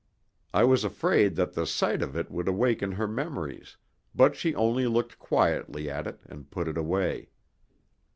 I was afraid that the sight of it would awaken her memories, but she only looked quietly at it and put it away.